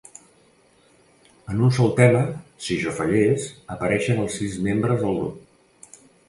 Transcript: En un sol tema, "Si jo fallés", apareixen els sis membres del grup.